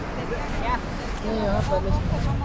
میں یہاں پہلے سے ہوں